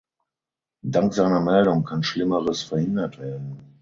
Dank seiner Meldung kann Schlimmeres verhindert werden.